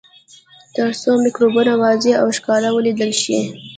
تر څو مکروبونه واضح او ښکاره ولیدل شي.